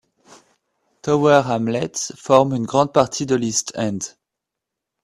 Tower Hamlets forme une grande partie de l'East End.